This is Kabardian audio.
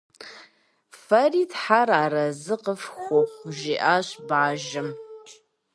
- Фэри Тхьэр арэзы къыфхухъу, - жиӏащ бажэм.